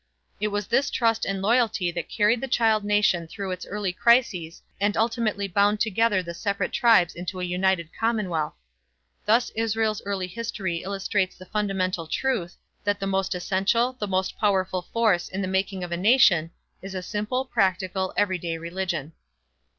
It was this trust and loyalty that carried the child nation through its early crises and ultimately bound together the separate tribes into a united commonwealth. Thus Israel's early history illustrates the fundamental truth, that the most essential, the most powerful force in the making of a nation is a simple, practical, every day religion.